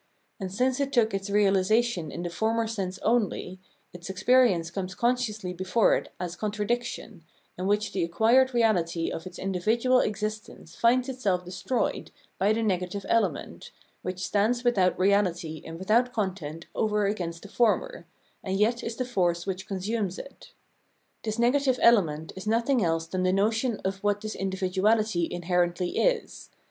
And since it took its reahsation in the former sense only, its experience comes consciously before it as contradic tion, in which the acquired reahty of its individual existence finds itself destroyed by the negative element, which stands without reahty and without content over against the former, and yet is the force which consumes it. This negative element is nothing else than the notion of what this individuality inherently is.